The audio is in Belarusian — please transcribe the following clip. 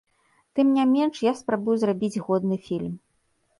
Тым не менш, я спрабую зрабіць годны фільм.